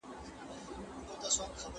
که وخت وي، مرسته کوم،